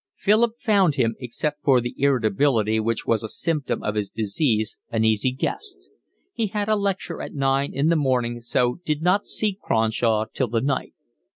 Philip found him, except for the irritability which was a symptom of his disease, an easy guest. He had a lecture at nine in the morning, so did not see Cronshaw till the night.